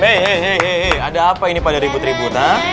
hei hei hei ada apa ini pada ribut ribut ha